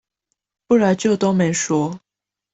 不然就都沒說